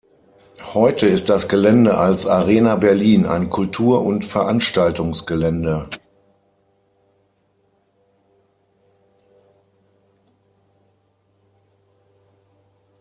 Heute ist das Gelände als „Arena Berlin“ ein Kultur- und Veranstaltungsgelände.